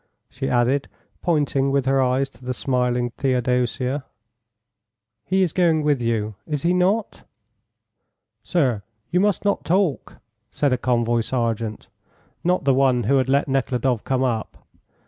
she added, pointing with her eyes to the smiling Theodosia. "He is going with you, is he not?" "Sir, you must not talk," said a convoy sergeant, not the one who had let Nekhludoff come up.